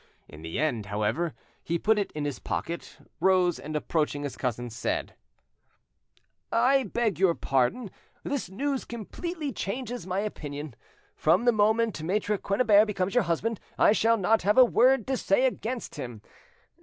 In the end, however, he put it in his pocket, rose, and approaching his cousin, said— "I beg your pardon, this news completely changes my opinion. From the moment Maitre Quennebert becomes your husband I shall not have a word to say against him.